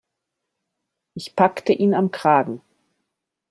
Ich packte ihn am Kragen.